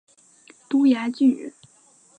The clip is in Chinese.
珠崖郡人。